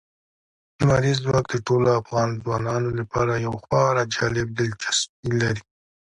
لمریز ځواک د ټولو افغان ځوانانو لپاره یوه خورا جالب دلچسپي لري.